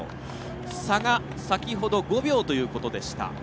差が先ほど５秒ということでした。